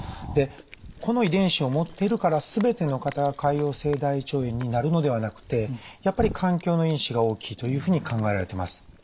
でこの遺伝子を持っているから全ての方が潰瘍性大腸炎になるのではなくてやっぱり環境の因子が大きいというふうに考えられています。